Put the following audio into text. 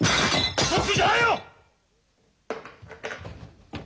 うそつくんじゃないよ！